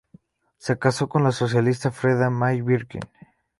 Se casó con la socialista Freda May Birkin.